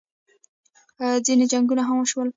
ځینې جنګونه هم وشول